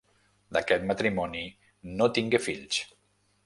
D'aquest matrimoni no tingué fills.